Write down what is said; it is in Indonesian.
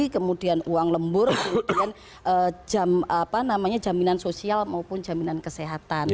kemudian uang lembur kemudian jaminan sosial maupun jaminan kesehatan